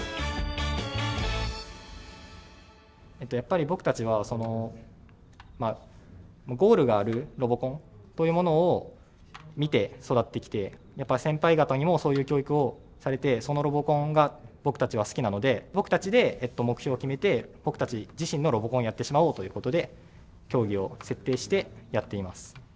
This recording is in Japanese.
やっぱり僕たちはゴールがあるロボコンというものを見て育ってきてやっぱ先輩方にもそういう教育をされてそのロボコンが僕たちは好きなので僕たちで目標を決めてということで競技を設定してやっています。